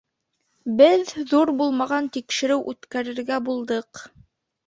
Беҙ ҙур булмаған тикшереү үткәрергә булдыҡ.